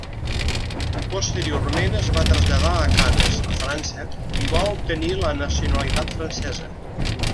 Posteriorment, es va traslladar a Canes, a França, i va obtenir la nacionalitat francesa.